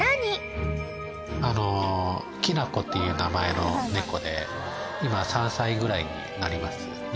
きなこっていう名前の猫で今３歳ぐらいになります。